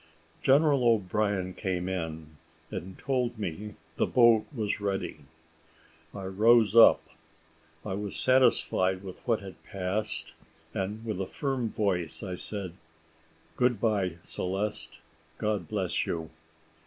General O'Brien came in, and told me the boat was ready. I rose up I was satisfied with what had passed, and with a firm voice, I said, "Good bye, Celeste; God bless you!"